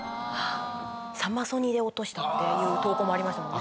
サマソニで落としたっていう投稿もありましたもんね。